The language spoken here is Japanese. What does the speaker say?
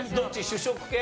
主食系？